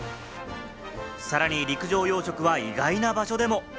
さらに陸上養殖は意外な場所でも。